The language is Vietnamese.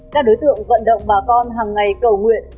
các đối tượng vận động bà con hàng ngày cầu nguyện